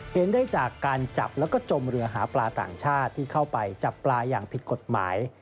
เห็นได้จากการจับแล้วก็จมเรือหาปลาต่างชาติที่เข้าไปจับปลาอย่างผิดกฎหมาย